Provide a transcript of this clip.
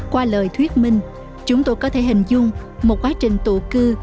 qua lời thuyết minh chúng tôi có thể hình dung một quá trình tụ cư